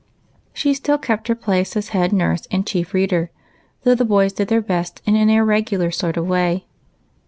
She still kept her place as head nurse and chief reader, though the boys did their best in an irregular sort of Avay.